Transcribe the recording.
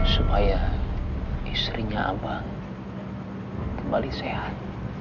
supaya istrinya apa kembali sehat